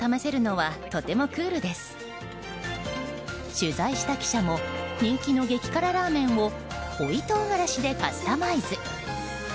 取材した記者も人気の激辛ラーメンを追い唐辛子でカスタマイズ。